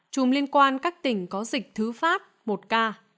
chùm liên quan các tỉnh có dịch thứ pháp một ca